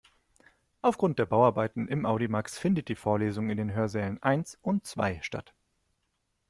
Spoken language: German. Aufgrund der Bauarbeiten im Audimax findet die Vorlesung in den Hörsälen eins und zwei statt.